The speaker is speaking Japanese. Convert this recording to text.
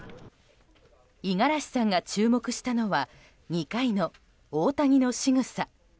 五十嵐さんが注目したのは２回の大谷のしぐさ。